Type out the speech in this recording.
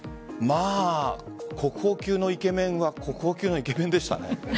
国宝級のイケメンは国宝級のイケメンでしたね。